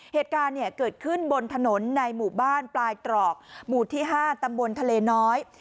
เหตุการณ์เกิดขึ้นบนถนนในหมู่บ้านปลายตรอกหมู่ที่๕ตำบลทะเลน้อย